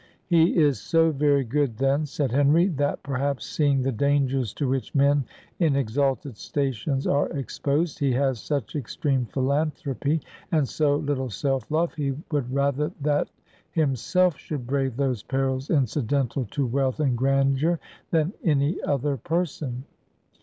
"He is so very good, then," said Henry, "that perhaps, seeing the dangers to which men in exalted stations are exposed, he has such extreme philanthropy, and so little self love, he would rather that himself should brave those perils incidental to wealth and grandeur than any other person."